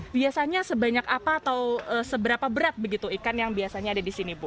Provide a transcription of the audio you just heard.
biasanya sebanyak apa atau seberapa berat begitu ikan yang biasanya ada di sini bu